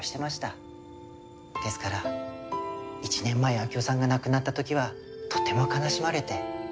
ですから１年前明夫さんが亡くなった時はとても悲しまれて。